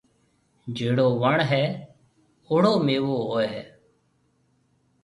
جھيَََڙو وڻ هيَ اُوڙو ميوو هوئي هيَ۔